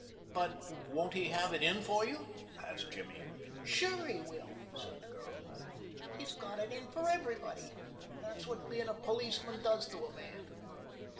"But won't he have it in for you?" asked Jimmy. "Sure, he will," said the girl. "He's got it in for everybody. That's what being a policeman does to a man.